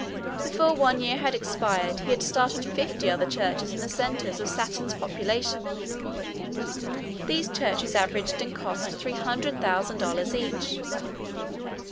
Before one year had expired he had started fifty other churches in the centers of Saturn's population. These churches averaged in cost three hundred thousand dollars each.